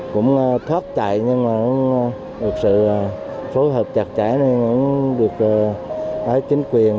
cũng thoát chạy nhưng mà thực sự phối hợp chặt chẽ nên cũng được chính quyền